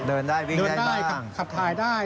เดินได้วิ่งได้ขับถ่ายได้